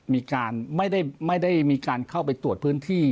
มีการไม่ได้มีการเข้าไปตรวจพื้นที่